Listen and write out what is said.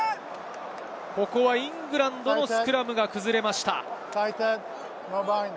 ここはイングランドのスクラムが崩れました。